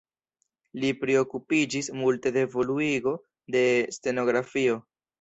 Li priokupiĝis multe de evoluigo de stenografio.